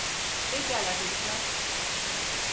Pekala çocuklar.